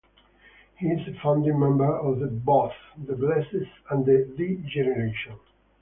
He is a founding member of both The Blessed and D Generation.